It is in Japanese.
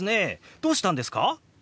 どうしたんですか？